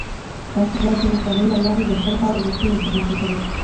تاسو بايد د مطالعې له لاري د خپلي خاوري رښتينی خدمت وکړئ.